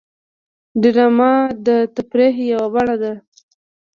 ډرامه د تفریح یوه بڼه ده